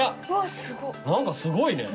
何かすごいね。